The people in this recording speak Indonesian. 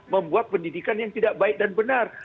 membuat pendidikan yang tidak baik dan benar